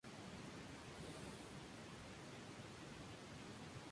El encapsulado se realizaba en Barcelona.